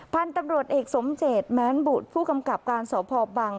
พันธุ์ตำรวจเอกสมเจตแม้นบุตรผู้กำกับการสพบัง